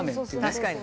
確かに。